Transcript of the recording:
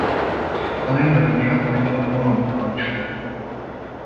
A legnagyobb zsákmánya galamb nagyságú.